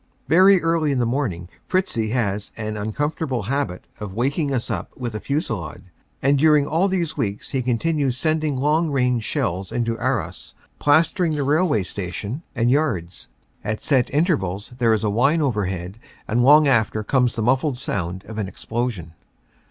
Very early in the morning Fritzie has an uncomfortable habit of waking us up with a fusillade, and during all these weeks he continues sending long range shells into Arras, plastering the railway station and yards. At set intervals there is a whine overhead, and long after comes the muffled sound of the explosion.